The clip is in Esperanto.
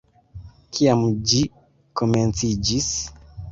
Kiam ĝi komenciĝis?